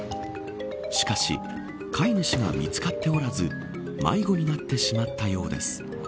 しかし飼い主が見つかっておらず迷子になってしまったようです。